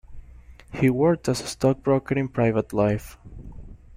He worked as a stockbroker in private life.